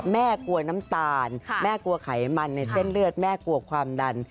แม่กลัวน้ำตาลแม่กลัวไขมันในเส้นเลือดแม่กลัวความดัน